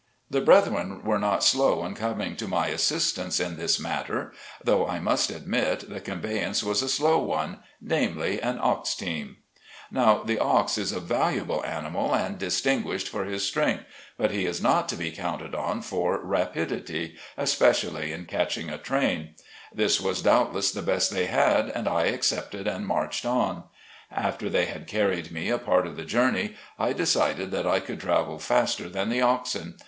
The brethren were not slow in coming to my assistance in this matter, though I must admit, the conveyance was a slow one, namely, an ox team. 44 SLAVE CABIN TO PULPIT. Now, the ox is a valuable animal and distinguished for his strength, but he is not to be counted on for rapidity, especially in catching a train. This was doubtless the best they had, and I accepted and marched on. After they had carried me a part of the journey, I decided that I could travel faster than the oxen.